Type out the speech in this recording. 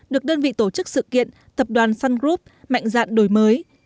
được đơn vị tổ chức sự kiện tập đoàn sun group mạnh dạn đổi mới